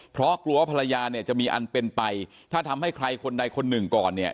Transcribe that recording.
เพราะกลัวว่าภรรยาเนี่ยจะมีอันเป็นไปถ้าทำให้ใครคนใดคนหนึ่งก่อนเนี่ย